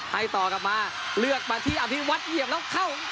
ให้ต่อกลับมาเลือกมาที่อภิวัตรเหยียบแล้วเข้า